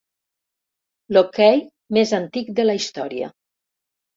L'okay més antic de la història.